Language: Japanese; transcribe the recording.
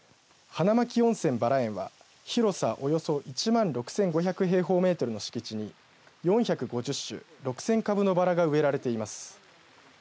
花巻温泉バラ園は広さおよそ１万６５００平方メートルの敷地に４５０種６０００株のバラが植えられています。